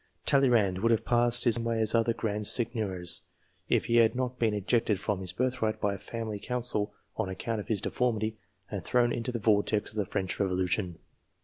Talleyrand would have passed his life in the same way as other grand seigneurs, if he had not been ejected from his birthright, by a family council, on account of his deformity, and thrown into the vortex of the French Revolution.